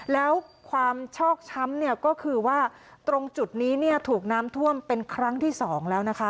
แล้วความชอกช้ำเนี่ยก็คือว่าตรงจุดนี้ถูกน้ำท่วมเป็นครั้งที่๒แล้วนะคะ